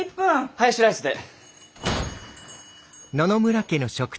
ハヤシライスで。